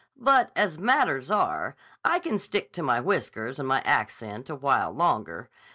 But as matters are, I can stick to my whiskers and my accent a while longer.